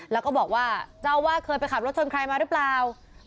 แล้วก็บอกว่าเจ้าว่าเคยไปขับรถชนใครมาหรือเปล่า